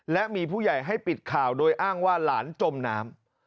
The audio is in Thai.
และมีผู้ใหญ่ให้ปิดข่าวโดยอ้างว่าหลานจมน้ำ